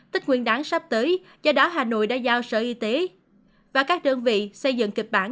tích nguyên đáng sắp tới do đó hà nội đã giao sở y tế và các đơn vị xây dựng kịch bản